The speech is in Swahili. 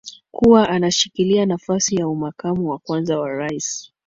kuwa anashikilia nafasi ya umakamu wa kwanza wa rais